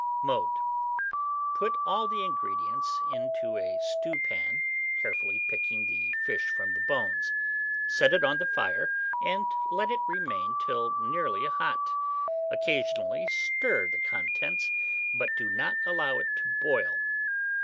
Mode. Put all the ingredients into a stewpan, carefully picking the fish from the bones; set it on the fire, let it remain till nearly hot, occasionally stir the contents, but do not allow it to boil.